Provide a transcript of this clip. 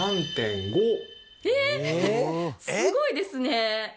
えっすごいですね！